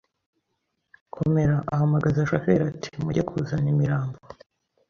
Komera Ahamagaza Shoferi ati Mujye kuzana imirambo